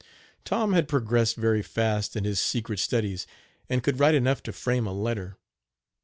Tom had progressed very fast in his secret studies, and could write enough to frame a letter.